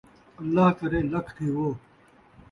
اللہ کرے لکھ تھیوو